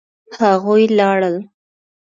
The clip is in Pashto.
هغوی لاړل